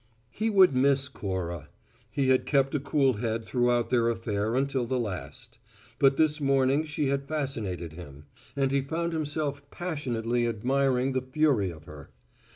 He would miss Cora. He had kept a cool head throughout their affair until the last; but this morning she had fascinated him: and he found himself passionately admiring the fury of her.